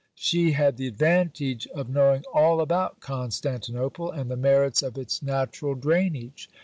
She had the advantage of knowing all about Constantinople, and the merits of its natural drainage.